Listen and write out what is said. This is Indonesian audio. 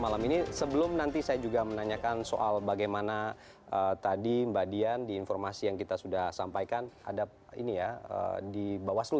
lagi nanti setelah yang berikut ini layak pemerintah percaya usaha jirah